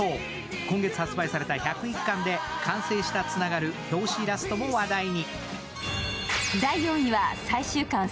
今月発売された１０１巻で完成したつながる表紙イラストも話題に。